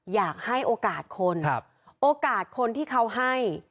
อยากให้โอกาสคนโอกาสคนที่เขาให้